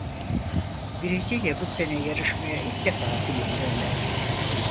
Brezilya bu sene yarışmaya ilk defa film gönderdi.